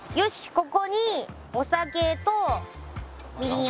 ここにお酒とみりんを。